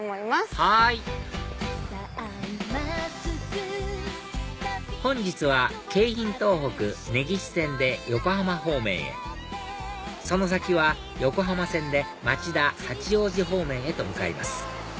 はい本日は京浜東北根岸線で横浜方面へその先は横浜線で町田八王子方面へと向かいます